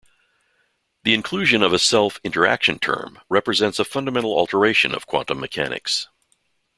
The inclusion of a self-interaction term represents a fundamental alteration of quantum mechanics.